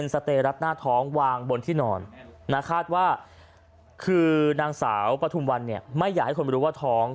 สเตรรัดหน้าท้องวางบนที่นอนคาดว่านางสาวประทุมวันไม่อยากให้คนรู้ว่าท้อง